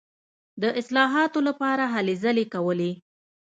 د اصلاحاتو لپاره هلې ځلې کولې.